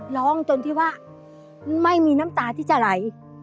ร้องจนที่ว่าไม่มีน้ำตาที่จะไหล